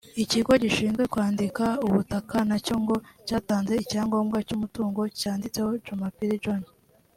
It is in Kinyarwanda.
Ikigo gishinzwe kwandika ubutaka nacyo ngo cyatanze icyangombwa cy’umutungo cyanditseho Jumapili John